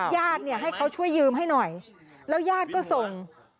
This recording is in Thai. ญาติเนี่ยให้เขาช่วยยืมให้หน่อยแล้วญาติก็ส่ง